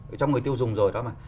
ở trong người tiêu dùng rồi đó mà